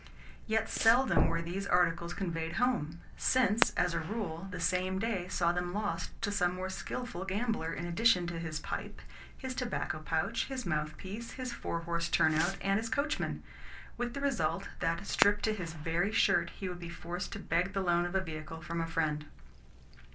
Yet seldom were these articles conveyed home, since, as a rule, the same day saw them lost to some more skilful gambler, in addition to his pipe, his tobacco pouch, his mouthpiece, his four horsed turn out, and his coachman: with the result that, stripped to his very shirt, he would be forced to beg the loan of a vehicle from a friend.